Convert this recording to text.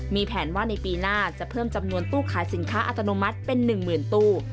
มีแผนว่าในปีหน้าจะเพิ่มจำนวนตู้ขายสินค้าอัตโนมัติเป็น๑๐๐๐ตู้